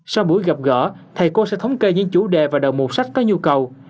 sau buổi gặp gỡ thầy cô sẽ thống kê những chủ đề và đồ mục sách có nhu cầu